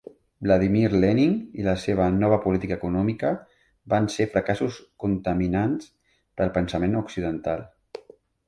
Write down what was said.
Vladimir Lenin i la seva nova política econòmica van ser fracassos contaminats pel pensament occidental.